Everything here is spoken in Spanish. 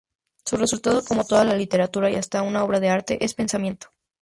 Su resultado, como toda la literatura y hasta una obra de arte, es pensamiento.